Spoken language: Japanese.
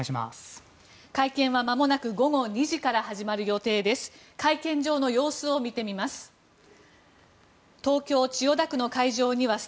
会見は、まもなく午後２時から始まる予定です。